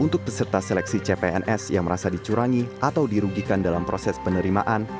untuk peserta seleksi cpns yang merasa dicurangi atau dirugikan dalam proses penerimaan